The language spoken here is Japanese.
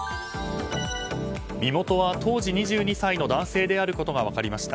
身元は、当時２２歳の男性であることが分かりました。